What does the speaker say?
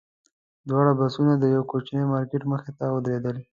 دواړه بسونه د یوه کوچني مارکېټ مخې ته ودرېدل.